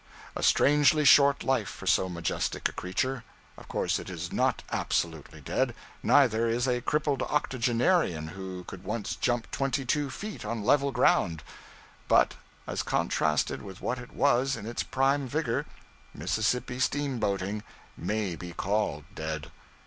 A strangely short life for so majestic a creature. Of course it is not absolutely dead, neither is a crippled octogenarian who could once jump twenty two feet on level ground; but as contrasted with what it was in its prime vigor, Mississippi steamboating may be called dead.